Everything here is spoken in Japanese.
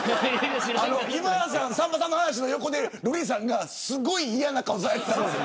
今田さん、さんまさんの話の横で瑠麗さんがすごい嫌な顔されてたんです。